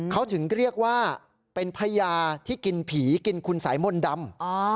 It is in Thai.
เขาถึงเรียกว่าเป็นพญาที่กินผีกินคุณสายมนต์ดำ